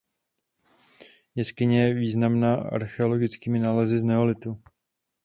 Jeskyně je významná archeologickými nálezy z neolitu.